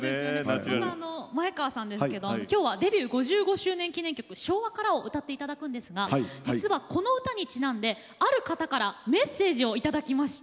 そんな前川さんですけど今日はデビュー５５周年記念曲「昭和から」を歌っていただくんですが実はこの歌にちなんである方からメッセージをいただきました。